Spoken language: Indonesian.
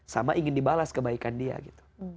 sama ingin dibalas kebaikan dia gitu